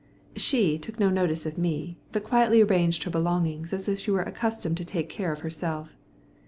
She took no notice of me, but quietly arranged her belongings as if she were accustomed to take care of herself.